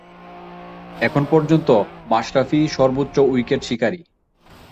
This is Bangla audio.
এখন পর্যন্ত মাশরাফিই সর্বোচ্চ উইকেট শিকারি।